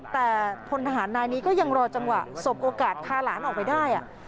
แต่พลทหารนายนี้ก็ยังรอจังหวะสบโอกาสพาหลานออกไปได้